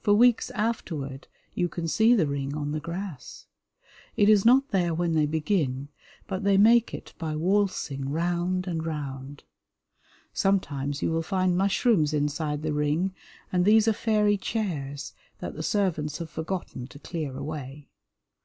For weeks afterward you can see the ring on the grass. It is not there when they begin, but they make it by waltzing round and round. Sometimes you will find mushrooms inside the ring, and these are fairy chairs that the servants have forgotten to clear away.